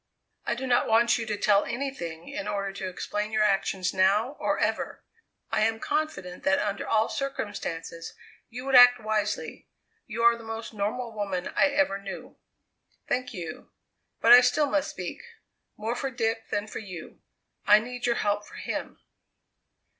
"I do not want you to tell anything in order to explain your actions now, or ever. I am confident that under all circumstances you would act wisely. You are the most normal woman I ever knew." "Thank you. But I still must speak more for Dick than for you. I need your help for him."